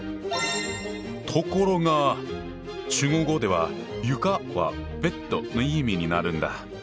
ところが中国語では「床」は「ベッド」の意味になるんだ。